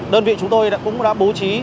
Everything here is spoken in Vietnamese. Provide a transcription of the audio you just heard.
đơn vị chúng tôi cũng đã bố trí